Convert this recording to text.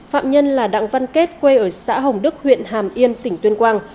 phạm nhân là đặng văn kết quê ở xã hồng đức huyện hàm yên tỉnh tuyên quang